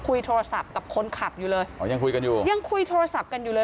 คุยโทรศัพท์กับคนขับอยู่เลยอ๋อยังคุยกันอยู่ยังคุยโทรศัพท์กันอยู่เลย